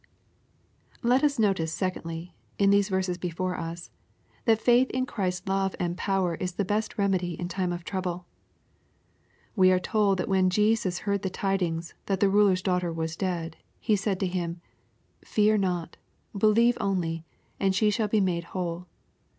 Let us notice, secondly, in the verses before us, that faith in Ghrisf^a love and power is the best remedy in time of trouble. We are told that when Jesus heard the tidings, that the ruler's daughter was dead, He said to him, " Fear not, believe only, and she shall 'be made whole."